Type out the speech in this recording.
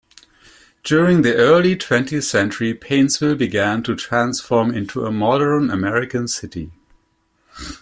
During the early Twentieth Century, Paintsville began to transform into a modern American city.